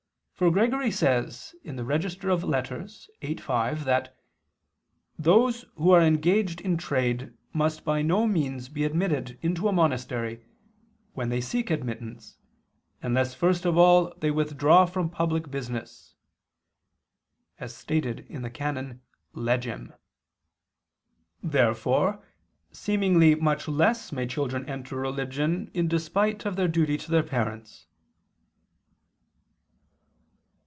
For Gregory says (Regist. viii, Ep. 5) that "those who are engaged in trade must by no means be admitted into a monastery, when they seek admittance, unless first of all they withdraw from public business" (Dist. liii, can. Legem.). Therefore seemingly much less may children enter religion in despite of their duty to their parents.